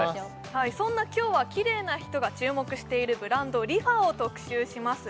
はいそんな今日はキレイな人が注目しているブランドＲｅＦａを特集します